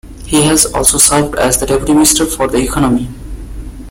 He has also served as the Deputy Minister for the Economy.